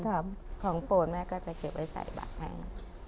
ถ้ามาโบรพย์แม่ก็จะเก็บไว้ใส่บาทแพง